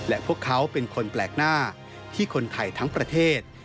และพวกเขาเป็นคนแปลกหน้าที่คนไทยทั้งประเทศ